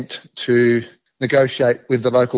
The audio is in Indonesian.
bernegosi dengan rakyat lokal